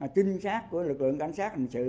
trinh sát của lực lượng cảnh sát hình sự